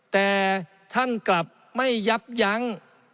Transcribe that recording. แต่ท่านกลับไม่ยับยั้ง